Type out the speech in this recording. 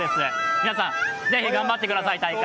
皆さん、ぜひ頑張ってください、大会。